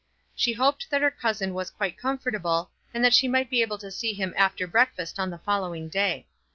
She hoped that her cousin was quite comfortable, and that she might be able to see him after breakfast on the following day.